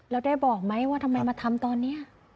แล้วได้บอกไหมว่าทำไมมาทำตอนนี้